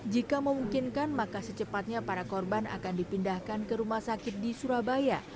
jika memungkinkan maka secepatnya para korban akan dipindahkan ke rumah sakit di surabaya